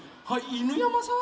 犬山さん！